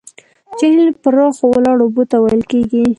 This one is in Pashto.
جهیل پراخو ولاړو اوبو ته ویل کیږي.